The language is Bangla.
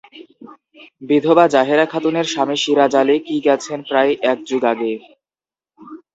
বিধবা জাহেরা খাতুনের স্বামী সিরাজ আলী কি গেছেন প্রায় এক যুগ আগে?